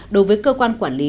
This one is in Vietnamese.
đối với cơ quan quản lý